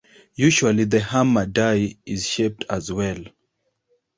Usually, the hammer die is shaped as well.